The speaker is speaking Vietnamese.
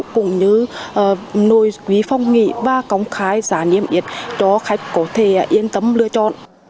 cũng như nội quý phong nghị và công khai giá niêm yết cho khách có thể yên tâm lựa chọn